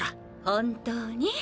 本当に？